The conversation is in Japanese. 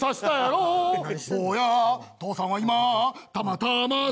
「坊や父さんは今たまたまさした」